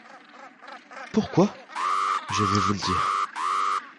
Pourquoi ? je vais vous le dire.